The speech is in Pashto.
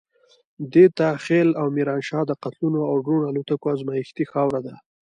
دته خېل او ميرانشاه د قتلونو او ډرون الوتکو ازمايښتي خاوره ده.